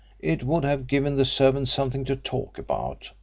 It would have given the servants something to talk about.